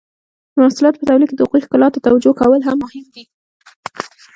د محصولاتو په تولید کې د هغوی ښکلا ته توجو کول هم مهم دي.